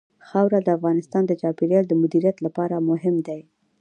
خاوره د افغانستان د چاپیریال د مدیریت لپاره مهم دي.